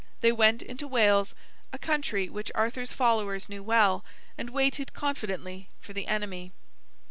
They went into Wales, a country which Arthur's followers knew well, and waited confidently for the enemy.